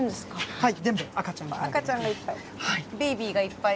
はい。